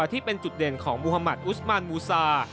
ที่เป็นจุดเด่นของมุธมัติอุสมานมูซา